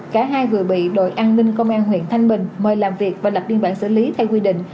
cả hai vừa bị đội an ninh công an huyện thanh bình mời làm việc và lập biên bản xử lý theo quy định